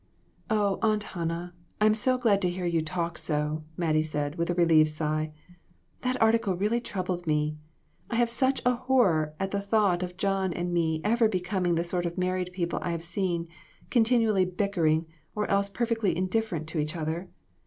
"Oh, Aunt Hannah, I'm so glad to hear you talk so!" Mattie said, with a relieved sigh; "that article really troubled me. I have such a horror at the thought of John and me ever becoming the sort of married people I have seen, continually bickering, or else perfectly indifferent to each other.